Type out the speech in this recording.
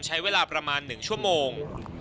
ใช้เวลาประมาณ๑ชั่วโมง